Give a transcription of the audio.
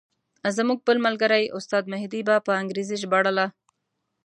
زموږ بل ملګري استاد مهدي به په انګریزي ژباړله.